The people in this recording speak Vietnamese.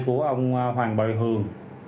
của ông hoàng bùi hường